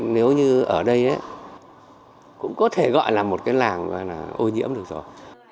nếu như ở đây cũng có thể gọi là một cái làng ô nhiễm được rồi